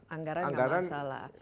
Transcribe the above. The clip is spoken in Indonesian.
anggaran tidak masalah